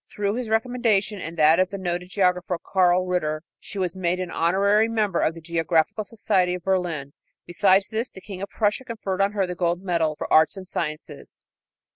Through his recommendation and that of the noted geographer, Karl Ritter, she was made an honorary member of the Geographical Society of Berlin. Besides this, the King of Prussia conferred on her the gold medal for arts and sciences.